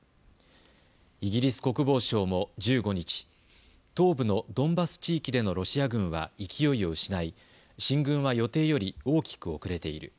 イギリス国防省も１５日、東部のドンバス地域でのロシア軍は勢いを失い進軍は予定より大きく遅れている。